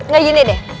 gak gini deh